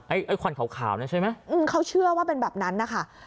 ไอ้ควันขาวขาวเนี่ยใช่ไหมอืมเขาเชื่อว่าเป็นแบบนั้นนะคะ